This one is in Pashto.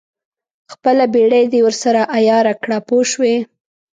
خپله بېړۍ دې ورسره عیاره کړه پوه شوې!.